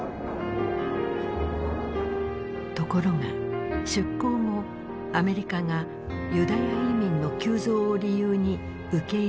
ところが出航後アメリカがユダヤ移民の急増を理由に受け入れを拒否。